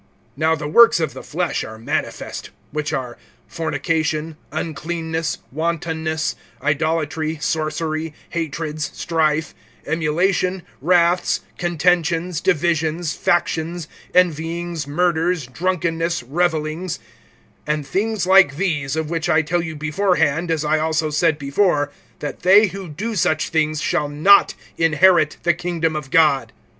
(19)Now the works of the flesh are manifest; which are, fornication, uncleanness, wantonness, (20)idolatry, sorcery, hatreds, strife, emulation, wraths, contentions, divisions, factions, (21)envyings, murders, drunkenness, revelings; and things like these; of which I tell you beforehand, as I also said before, that they who do such things shall not inherit the kingdom of God.